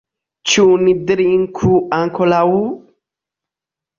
Ĉu ni drinku ankoraŭ?